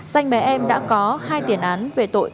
danh bé em đã có hai tiền án về tội